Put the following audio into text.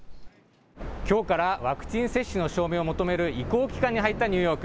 きょうからワクチン接種の証明を求める移行期間に入ったニューヨーク。